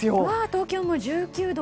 東京も１９度！